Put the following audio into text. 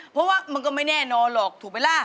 เพราะว่ามันก็ไม่แน่นอนหรอกถูกไหมล่ะ